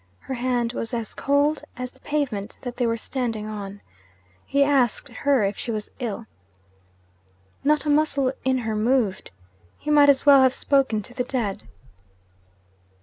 Her hand was as cold as the pavement that they were standing on. He asked her if she was ill. Not a muscle in her moved. He might as well have spoken to the dead.